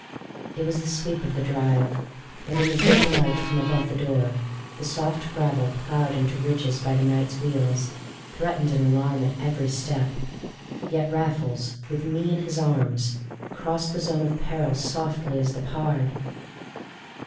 It was the sweep of the drive, and in the dim light from above the door, the soft gravel, ploughed into ridges by the night's wheels, threatened an alarm at every step. Yet Raffles, with me in his arms, crossed the zone of peril softly as the pard.